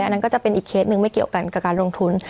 อันนั้นก็จะเป็นอีกเคสหนึ่งไม่เกี่ยวกันกับการลงทุน